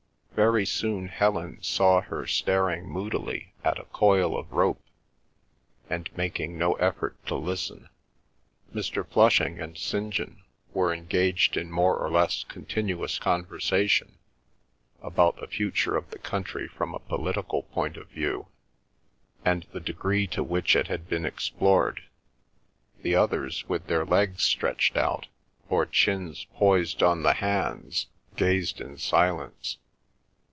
Very soon Helen saw her staring moodily at a coil of rope, and making no effort to listen. Mr. Flushing and St. John were engaged in more or less continuous conversation about the future of the country from a political point of view, and the degree to which it had been explored; the others, with their legs stretched out, or chins poised on the hands, gazed in silence.